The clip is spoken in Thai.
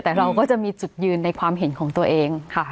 แต่เราก็จะมีจุดยืนในความเห็นของตัวเองค่ะ